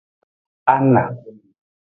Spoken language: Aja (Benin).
Ana.